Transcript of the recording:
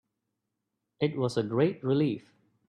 It was a great relief